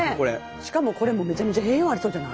しかもこれもめちゃめちゃ栄養ありそうじゃない？